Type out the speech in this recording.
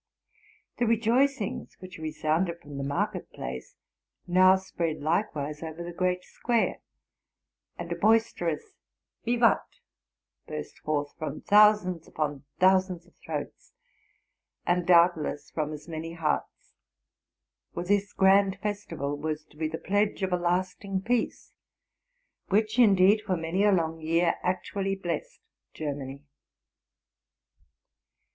The rejoicings which resounded from "the market place now spread likewise over the great square ; and a boisterous yivat burst forth from thousands upon thousands of throats, REDATING TO MY LIFE. 167 and doubtless from as many hearts. For this grand festival was to be the pledge of a lasting peace, which indeed for many a long year actually blessed Germany.